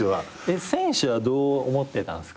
選手はどう思ってたんすか？